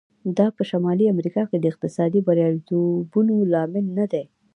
دا په شمالي امریکا کې د اقتصادي بریالیتوبونو لامل نه دی.